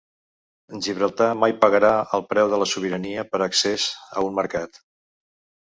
Gibraltar mai pagarà el preu de la sobirania per accés a un mercat.